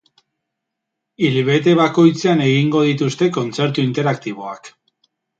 Ilbete bakoitzean egingo dituzte kontzertu interaktiboak.